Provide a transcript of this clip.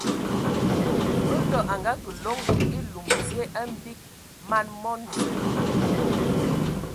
Ndɔ a ngakǝ loŋ elum dzie a mgbig man mo zen.